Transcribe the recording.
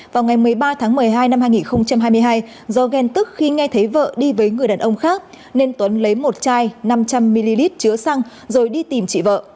vào ngày một mươi ba tháng một mươi hai năm hai nghìn hai mươi hai do ghen tức khi nghe thấy vợ đi với người đàn ông khác nên tuấn lấy một chai năm trăm linh ml chứa xăng rồi đi tìm chị vợ